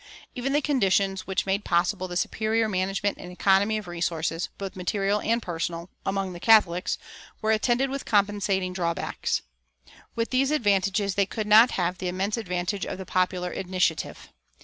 Even the conditions which made possible the superior management and economy of resources, both material and personal, among the Catholics, were attended with compensating drawbacks. With these advantages they could not have the immense advantage of the popular initiative.